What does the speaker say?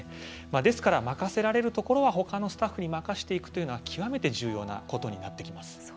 ですから、任せられるところは他のスタッフに任せていくというのは極めて重要なことになってきます。